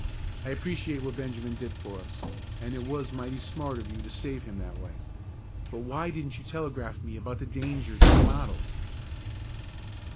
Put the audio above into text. I appreciate what Benjamin did for us, and it was mighty smart of you to save him that way. But why didn't you telegraph me about the danger to my models?"